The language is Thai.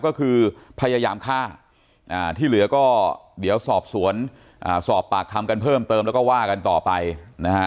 ก็คือพยายามฆ่าที่เหลือก็เดี๋ยวสอบสวนสอบปากคำกันเพิ่มเติมแล้วก็ว่ากันต่อไปนะฮะ